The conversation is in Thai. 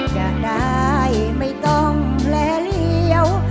จะได้ไม่ต้องแลเหลี่ยว